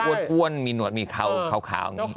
ที่อ้วนมีหนวดมีเข่าขาวอย่างงี้